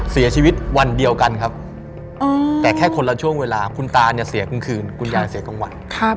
เสียชีวิตวันเดียวกันครับแต่แค่คนละช่วงเวลาคุณตาเนี่ยเสียกลางคืนคุณยายเสียกลางวัน